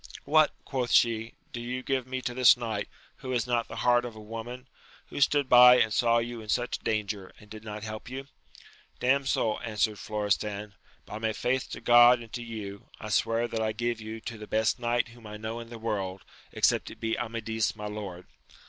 What ! quoth she, do you give me to this knight, who has not the heart of a woman % who stood by and saw you in such danger, and did not help you ? Damsel, answered Florestan, by my faith to God and to you, I swear that I give you to the best knight whom I know in the world, except it be Amadis my lord.